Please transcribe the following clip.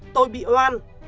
tôi bị oan